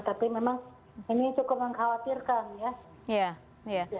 tapi memang ini cukup mengkhawatirkan ya